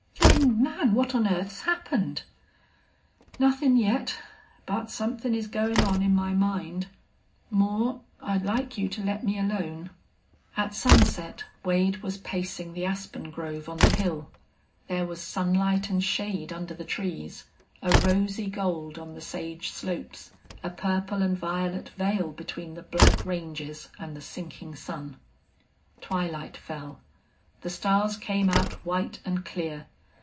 "Then, man, what on earth's happened?" "Nothin' yet.... But somethin' is goin' on in my mind.... Moore, I'd like you to let me alone." At sunset Wade was pacing the aspen grove on the hill. There was sunlight and shade under the trees, a rosy gold on the sage slopes, a purple and violet veil between the black ranges and the sinking sun. Twilight fell. The stars came out white and clear.